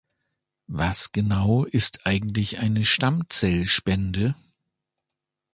Was genau ist eigentlich eine Stammzellspende?